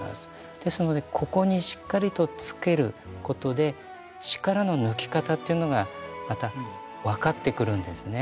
ですのでここにしっかりとつけることで力の抜き方というのがまた分かってくるんですね。